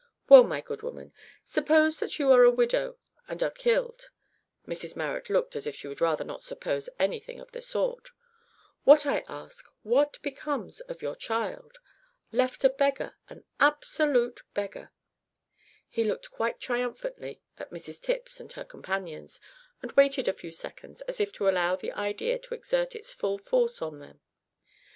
"Well, my good woman, suppose that you are a widow and are killed," (Mrs Marrot looked as if she would rather not suppose anything of the sort), "what I ask, what becomes of your child? Left a beggar; an absolute beggar!" He looked quite triumphantly at Mrs Tipps and her companions, and waited a few seconds as if to allow the idea to exert its full force on them.